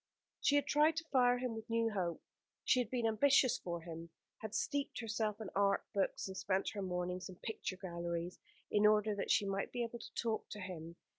She had tried to fire him with new hope; she had been ambitious for him; had steeped herself in art books, and spent her mornings in picture galleries, in order that she might be able to talk to him.